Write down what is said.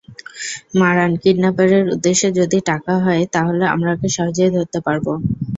মারান, কিডন্যাপারের উদ্দেশ্য যদি টাকা হয়, তাহলে আমরা ওকে সহজেই ধরতে পারব।